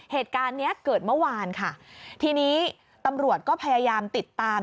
เหตุการณ์เนี้ยเกิดเมื่อวานค่ะทีนี้ตำรวจก็พยายามติดตาม